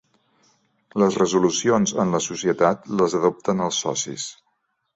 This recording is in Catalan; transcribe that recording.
Les resolucions en la societat les adopten els socis.